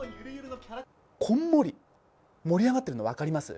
こんもり盛り上がってるの分かります？